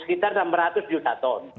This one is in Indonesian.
itu hanya enam ratus enam ratus juta ton